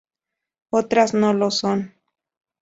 Otras no lo son.